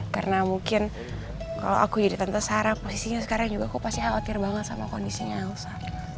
karena mungkin kalo aku jadi tante sarah posisinya sekarang juga aku pasti khawatir banget sama kondisinya elsa